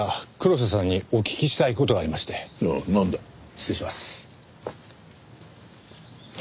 失礼します。